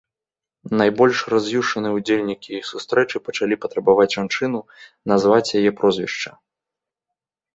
Найбольш раз'юшаныя ўдзельнікі сустрэчы пачалі патрабаваць жанчыну назваць яе прозвішча.